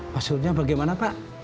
maksudnya bagaimana pak